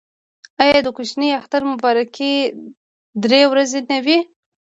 آیا د کوچني اختر مبارکي درې ورځې نه وي؟